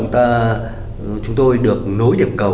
hôm đó chúng tôi được nối điểm cầu